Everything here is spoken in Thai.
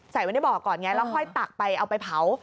ใส่ไว้ในบ่อก่อนไงแล้วค่อยตักไปเอาไปเผา